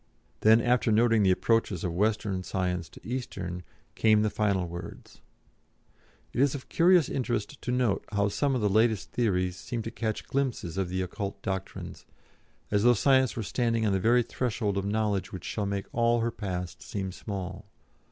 Then after noting the approaches of Western Science to Eastern, came the final words: "it is of curious interest to note how some of the latest theories seem to catch glimpses of the occult Doctrines, as though Science were standing on the very threshold of knowledge which shall make all her past seem small.